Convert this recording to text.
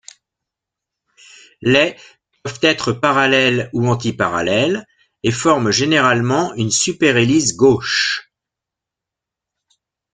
Les peuvent être parallèles ou antiparallèles, et forment généralement une superhélice gauche.